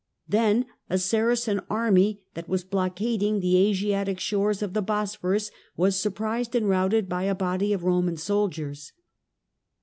Then a Saracen army, that was blockad ing the Asiatic shores of the Bosphorus, was surprised and routed by a body of Eoman soldiers.